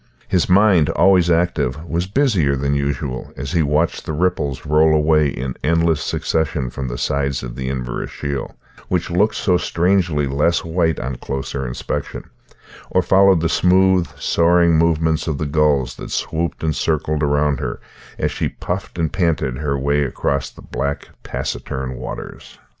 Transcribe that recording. His mind, always active, was busier than usual as he watched the ripples roll away in endless succession from the sides of the Inverashiel which looked so strangely less white on closer inspection or followed the smooth soaring movements of the gulls that swooped and circled around her, as she puffed and panted on her way across the black, taciturn waters.